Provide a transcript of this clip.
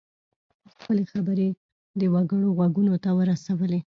خپلې خبرې د وګړو غوږونو ته ورسولې.